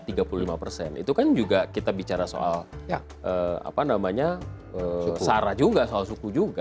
tapi juga kita bicara soal apa namanya sara juga soal suku juga